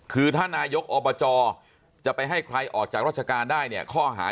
คือถ้านายกอบจจะไปให้ใครออกจากราชการได้เนี่ยข้อหา